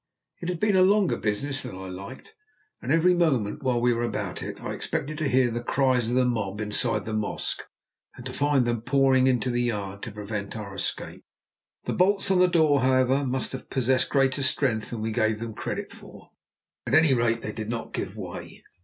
It had been a longer business than I liked, and every moment, while we were about it, I expected to hear the cries of the mob inside the mosque, and to find them pouring into the yard to prevent our escape. The bolts on the door, however, must have possessed greater strength than we gave them credit for. At any rate, they did not give way.